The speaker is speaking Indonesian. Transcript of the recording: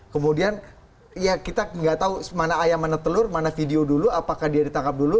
kemudian ya kita nggak tahu mana ayam mana telur mana video dulu apakah dia ditangkap dulu